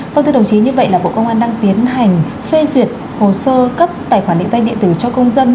vâng thưa đồng chí như vậy là bộ công an đang tiến hành phê duyệt hồ sơ cấp tài khoản định danh điện tử cho công dân